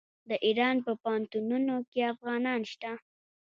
د ایران په پوهنتونونو کې افغانان شته.